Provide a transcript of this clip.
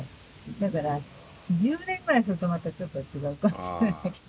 だから１０年ぐらいするとまたちょっと違うかもしれないけど。